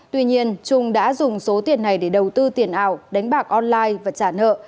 tuy nhiên trung đã dùng số tiền này để đầu tư tiền ảo đánh bạc online và trả nợ